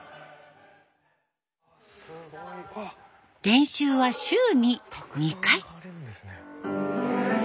練習は週に２回。